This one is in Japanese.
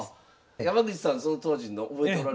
山口さんその当時の覚えておられますか？